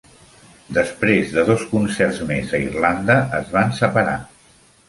Després de dos concerts més a Irlanda, es van separar.